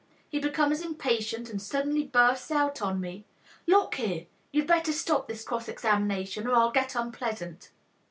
He becomes impatient and suddenly bursts out on me, "Look here, you'd better stop this cross examination, or I'll get unpleasant.